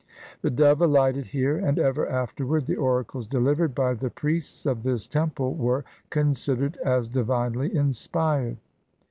The dove alighted here, and ever afterward the oracles delivered by the priests of this temple were considered as divinely inspired.